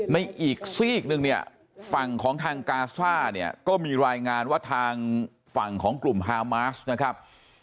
ในอีกซีกหนึ่งเนี่ยฝั่งของทางกาซ่าเนี่ยก็มีรายงานว่าทางฝั่งของกลุ่มฮามาสนะครับ